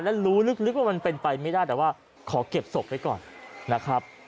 และรู้ลึกว่ามันเป็นไปไม่ได้แต่ว่าขอเก็บศพไว้ก่อนนะครับ